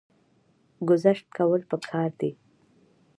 ګذشت کول پکار دي